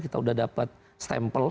kita udah dapet stempel